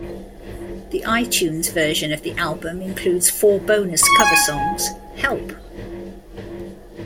The iTunes version of the album includes four bonus cover songs, Help!